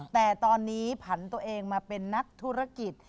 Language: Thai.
แต่ตอนนี้ผันตัวเองมาเป็นนักธุรกิจ